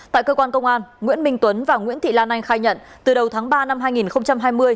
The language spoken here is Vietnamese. tại cơ quan công an nguyễn minh tuấn và nguyễn thị lan anh khai nhận từ đầu tháng ba năm hai nghìn hai mươi